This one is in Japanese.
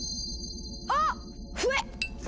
あっ笛！